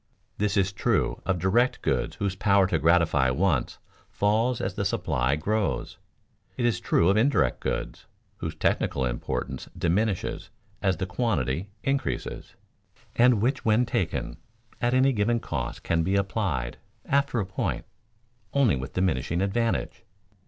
This is true of direct goods whose power to gratify wants falls as the supply grows; it is true of indirect goods, whose technical importance diminishes as the quantity increases, and which when taken at any given cost can be applied, after a point, only with diminishing advantage.